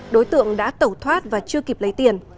đối tượng đã tẩu thoát và chưa kịp lấy tiền